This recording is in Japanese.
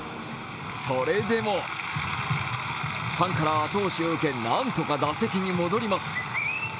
それでもファンから後押しを受け何とか打席に戻ります。